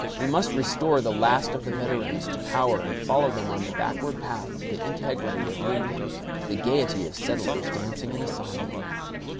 We must restore the last of the veterans to power and follow them on the backward path to the integrity of Lincoln, to the gaiety of settlers dancing in a saw mill.